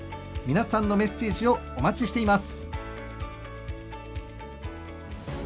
皆さんのメッセージをお待ちしています。